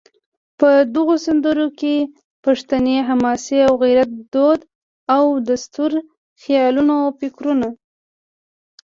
په دغو سندرو کې پښتني حماسه او غیرت، دود او دستور، خیالونه او فکرونه